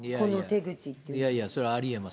いやいや、それはありえます。